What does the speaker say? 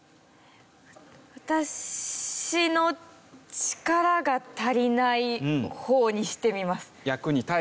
私の力が足りない方にしてみます。